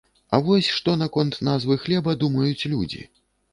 А вось што наконт назвы хлеба думаюць людзі.